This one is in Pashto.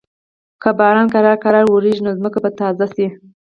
که باران ورو ورو وریږي، نو ځمکه به تازه شي.